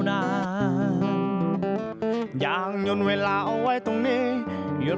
ตอนสุดท้ายเป็นเวลาที่คุณจะเจอกัน